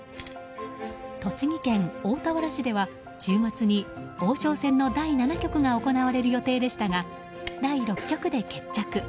栃木県大田原市では週末に王将戦の第７局が行われる予定でしたが第６局で決着。